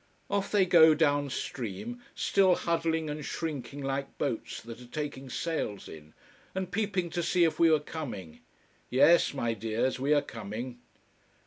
Off they go down stream, still huddling and shrinking like boats that are taking sails in, and peeping to see if we are coming. Yes, my dears, we are coming.